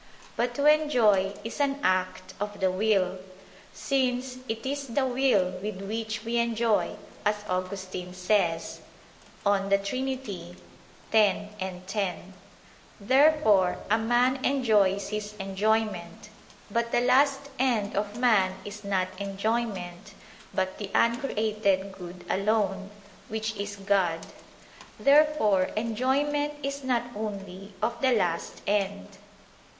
But to enjoy is an act of the will: since "it is the will with which we enjoy," as Augustine says (De Trin. x, 10). Therefore a man enjoys his enjoyment. But the last end of man is not enjoyment, but the uncreated good alone, which is God. Therefore enjoyment is not only of the last end.